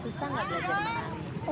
susah gak belajar menari